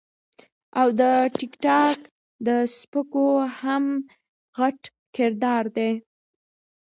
او د ټک ټاک د سپکو هم غټ کردار دے -